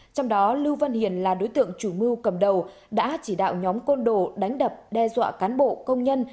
trong đó lưu văn hiền là đối tượng chủ mưu cầm đầu đã chỉ đạo nhóm côn đồ đánh đập đe dọa cán bộ công nhân